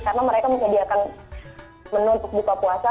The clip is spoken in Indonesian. karena mereka menyediakan menu untuk buka puasa